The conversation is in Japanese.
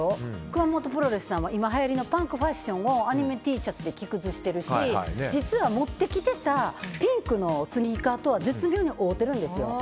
熊元プロレスさんは今、はやりのパンクファッションをアニメＴシャツで着崩してるし実は持ってきてたピンクのスニーカーとは絶妙に合うてるんですよ。